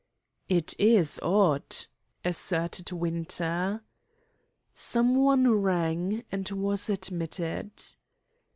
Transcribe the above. "It is odd," asserted Winter. Someone rang, and was admitted.